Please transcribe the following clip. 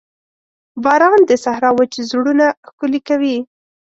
باران د صحرا وچ زړونه ښکلي کوي.